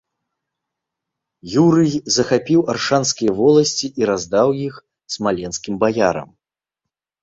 Юрый захапіў аршанскія воласці і раздаў іх смаленскім баярам.